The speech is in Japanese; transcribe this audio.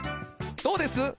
どうです？